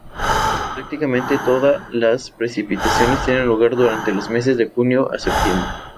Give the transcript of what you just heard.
Prácticamente toda las precipitaciones tienen lugar durante los meses de junio a septiembre.